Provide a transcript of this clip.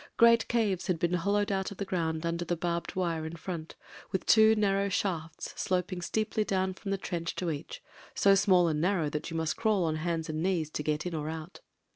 Great caves had been hollowed out of the ground under the barbed wire in front, with two narrow shafts sloping steeply down from the trench to each, so small and narrow that you must crawl on hands and knees to get in or out.